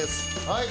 はい。